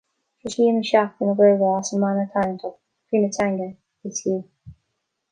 Tréaslaím le Seachtain na Gaeilge as a mana tarraingteach "Croí na Teanga: It's you".